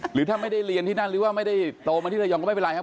หรือถ้าไม่ได้เรียนที่นั่นหรือว่าไม่ได้โตมาที่ระยองก็ไม่เป็นไรครับ